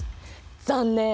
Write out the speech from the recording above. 残念！